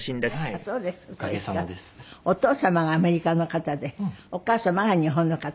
お父様がアメリカの方でお母様が日本の方？